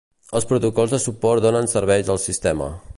Els protocols de suport donen serveis al sistema.